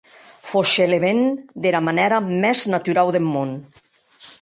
Fauchelevent dera manèra mès naturau deth mon.